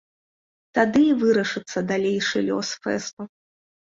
Тады і вырашыцца далейшы лёс фэсту.